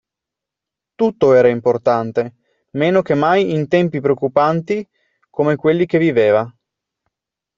Tutto era importante, meno che mai in tempi preoccupanti come quelli che viveva.